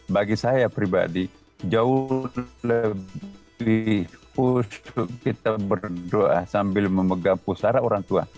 bagi saya pribadi jauh lebih untuk kita berdoa sambil memegang pusara orang tua